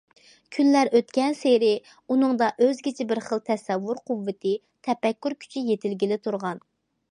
كۈنلەر ئۆتكەنسېرى ئۇنىڭدا ئۆزگىچە بىر خىل تەسەۋۋۇر قۇۋۋىتى، تەپەككۇر كۈچى يېتىلگىلى تۇرغان.